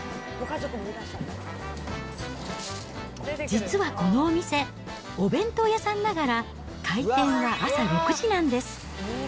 実はこのお店、お弁当屋さんながら、開店は朝６時なんです。